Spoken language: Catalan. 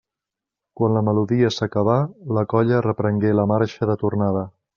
Quan la melodia s'acabà, la colla reprengué la marxa de tornada.